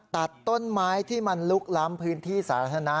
ตัดต้นไม้ที่มันลุกล้ำพื้นที่สาธารณะ